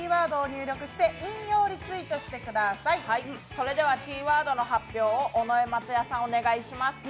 それではキーワードの発表を尾上松也さん、お願いします。